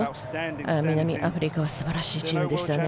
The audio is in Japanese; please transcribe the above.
南アフリカはすばらしいチームでしたね。